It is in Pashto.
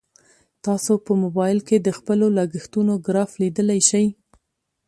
تاسو په موبایل کې د خپلو لګښتونو ګراف لیدلی شئ.